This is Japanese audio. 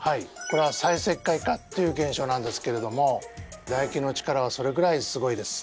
これは再石灰化っていう現象なんですけれどもだ液の力はそれぐらいすごいです。